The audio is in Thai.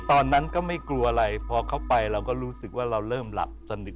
ตอนนั้นก็ไม่กลัวอะไรพอเข้าไปเราก็รู้สึกว่าเราเริ่มหลับสนิท